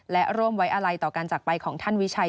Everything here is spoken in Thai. และร่วมไว้อะไรต่อการจักรไปของท่านวิชัย